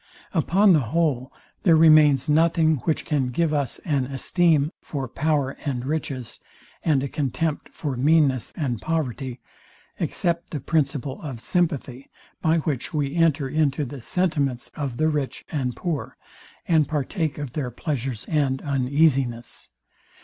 Upon the whole, there remains nothing, which can give us an esteem for power and riches, and a contempt for meanness and poverty, except the principle of sympathy, by which we enter into the sentiments of the rich and poor, and partake of their pleasure and uneasiness.